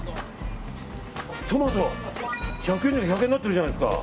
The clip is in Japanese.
トマト１４０円が１００円になってるじゃないですか。